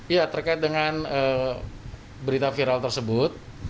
ya terkait dengan berita viral tersebut